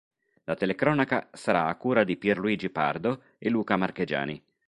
La telecronaca sarà a cura di Pierluigi Pardo e Luca Marchegiani.